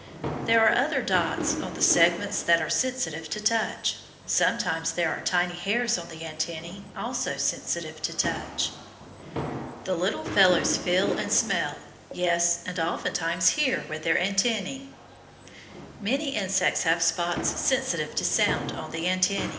There are other dots on the segments that are sensitive to touch. Sometimes there are tiny hairs on the antennæ, also sensitive to touch. The little fellows feel and smell, yes, and oftentimes hear with their antennæ. Many insects have spots sensitive to sound on the antennæ.